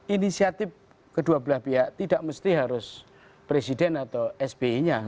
inisiatif kedua belah pihak tidak mesti harus presiden atau sbi nya